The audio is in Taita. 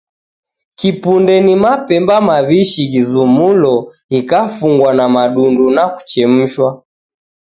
Kipunde ni mabemba maw'ishi ghizumulo, ghikafungwa na madundu na kuchemshwa